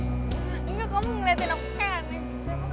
enggak kamu ngedesin aku kek